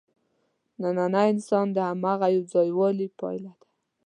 نننی انسان د هماغه یوځایوالي پایله ده.